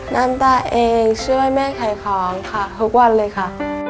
น้ำตาเองช่วยแม่ขายของค่ะทุกวันเลยค่ะ